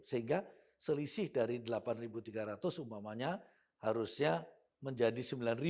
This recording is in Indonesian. sehingga selisih dari delapan tiga ratus umpamanya harusnya menjadi sembilan